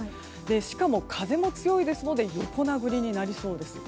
しかも、風も強いですので横殴りになりそうです。